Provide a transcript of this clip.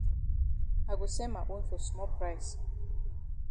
I go sell ma own for small price.